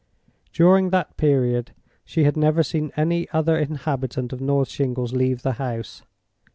During that period she had never seen any other inhabitant of North Shingles leave the house.